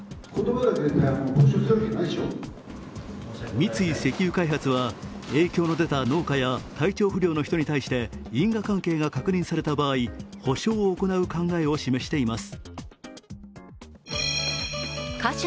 三井石油開発は影響の出た農家や体調不良の人に対して因果関係が確認された場合、補償を行う考えを示しています。